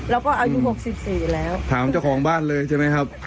แล้วก็อายุ๖๔แล้วถามเจ้าของบ้านเลยใช่ไหมครับ